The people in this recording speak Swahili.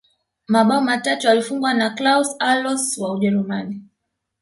mabao matatu yalifungwa na klaus allofs wa ujerumani